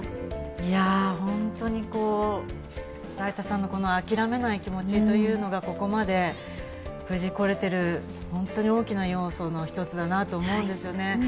いやぁ、本当にだいたさんの諦めない気持ちというのがここまで無事これている、本当に大きな要素の一つだなと思うんですね。